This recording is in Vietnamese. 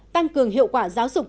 tăng cường hiệu quả giáo dục